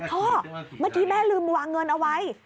เมื่อกี้แม่ลืมวางเงินเอาไว้